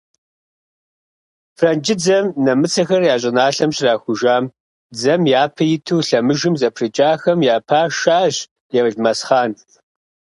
Франджыдзэм нэмыцэхэр я щӀыналъэм щрахужам, дзэм япэ иту лъэмыжым зэпрыкӀахэм я пашащ Елмэсхъан.